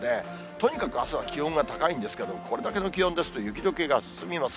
とにかく、あすは気温が高いんですけれども、これだけの気温ですと、雪どけが進みます。